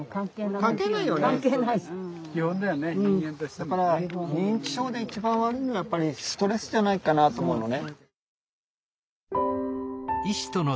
だから認知症で一番悪いのはやっぱりストレスじゃないかなと思うのね。